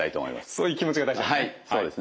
そういう気持ちが大事ですね。